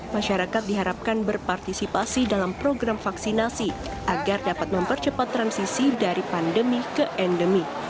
masyarakat diharapkan berpartisipasi dalam program vaksinasi agar dapat mempercepat transisi dari pandemi ke endemi